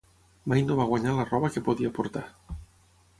Mai no va guanyar la roba que podia portar.